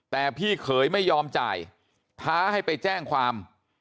แต่พี่เขยไม่ยอมจ่ายท้าให้ไปแจ้งความ